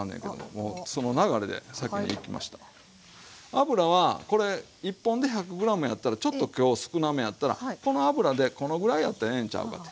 油はこれ１本で１００ｇやったらちょっと今日少なめやったらこの油でこのぐらいやったらええんちゃうかって。